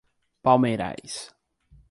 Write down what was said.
Palmeirais